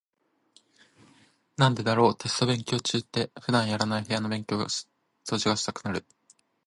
なんでだろう、テスト勉強中って普段やらない部屋の掃除がしたくなる。